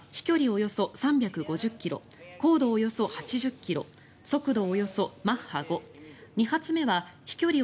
およそ３５０ｋｍ高度およそ８０ｋｍ速度およそマッハ５２発目は飛距離